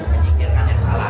menyikirkan yang salah